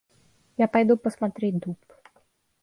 Я пойду посмотреть дуб.